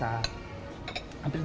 hampir jarang dikosong